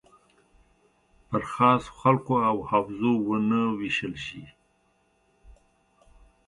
پر خاصو خلکو او حوزو ونه ویشل شي.